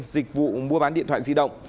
dịch vụ mua bán điện thoại di động